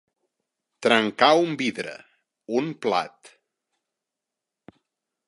Trencar un vidre, un plat.